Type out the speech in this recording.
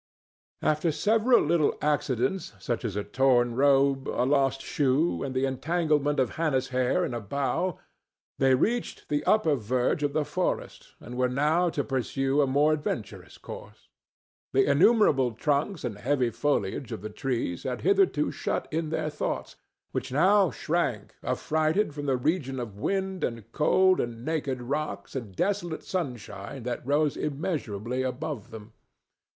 After several little accidents, such as a torn robe, a lost shoe and the entanglement of Hannah's hair in a bough, they reached the upper verge of the forest and were now to pursue a more adventurous course. The innumerable trunks and heavy foliage of the trees had hitherto shut in their thoughts, which now shrank affrighted from the region of wind and cloud and naked rocks and desolate sunshine that rose immeasurably above them.